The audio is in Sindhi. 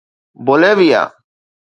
بوليويا